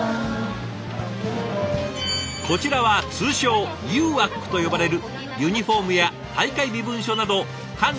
こちらは通称「ＵＡＣ」と呼ばれるユニフォームや大会身分証などを管理・配布する部署。